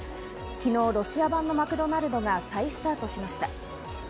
昨日、ロシア版マクドナルドが再スタートしました。